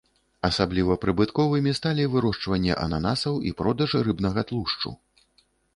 Асабліва прыбытковымі сталі вырошчванне ананасаў і продаж рыбнага тлушчу.